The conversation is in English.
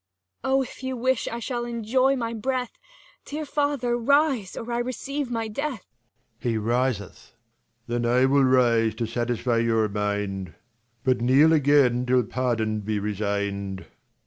Cor. Oh, if you wish, T should enjoy my breath, Dear father rise, or I receive my death. [He riseth. Leir. Then I will rise to satisfy your mind, But kneel again, till pardon be resigned.